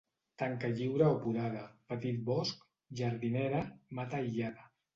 Tanca lliure o podada, petit bosc, jardinera, mata aïllada.